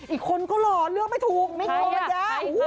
อีกคนก็หล่อเลือกไม่ถูกมิคโอมัยา